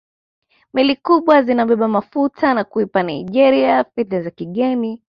Meli kubwa zinabeba mafuta na kuipa Naigeria fedha za kigeni